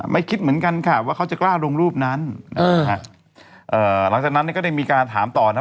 คิดเหมือนกันค่ะว่าเขาจะกล้าลงรูปนั้นหลังจากนั้นเนี่ยก็ได้มีการถามต่อนะ